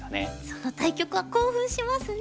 その対局は興奮しますね。